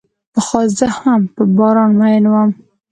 پخوا زه هم په باران مئین وم.